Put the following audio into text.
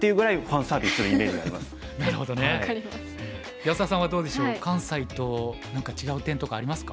安田さんはどうでしょう関西と何か違う点とかありますか？